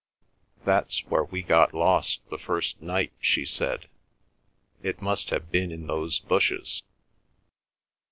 "That's where we got lost the first night," she said. "It must have been in those bushes."